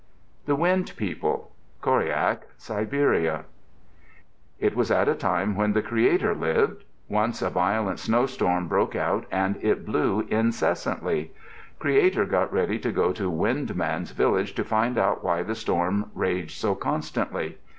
THE WIND PEOPLE Koryak (Siberia) It was at a time when the Creator lived. Once a violent snowstorm broke out and it blew incessantly. Creator got ready to go to Wind Man's village to find out why the storm raged so constantly.